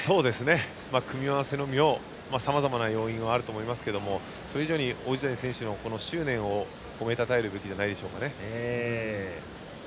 組み合わせの妙さまざまな要因もあると思いますけれどもそれ以上に王子谷選手の執念を褒めたたえるべきじゃないでしょうかね。